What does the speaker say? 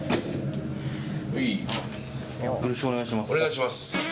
よろしくお願いします。